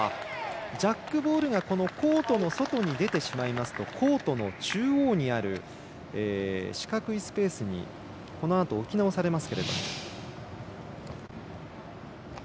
ジャックボールがコートの外に出てしまいますとコートの中央にある四角いスペースに置き直されます。